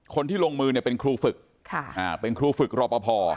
คนที่ลงมือเนี่ยเป็นครูฝึกเป็นครูฝึกรอปภ